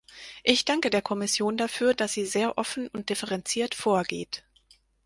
Ich danke der Kommission dafür, dass sie sehr offen und differenziert vorgeht!